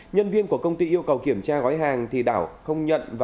nhân viên của công ty yêu cầu kiểm tra gói hàng thì đảo không nhận